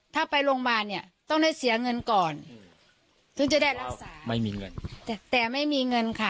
ถ้าไปโรงพยาบาลเนี่ยต้องได้เสียเงินก่อนถึงจะได้รักษาไม่มีเงินแต่แต่ไม่มีเงินค่ะ